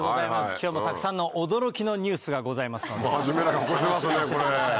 今日もたくさんの驚きのニュースがございますので楽しみにしててください。